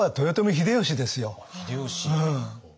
秀吉。